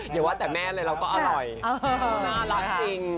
อย่าว่าแต่แม่เลยเราก็อร่อยน่ารักจริง